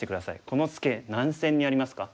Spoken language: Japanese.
このツケ何線にありますか？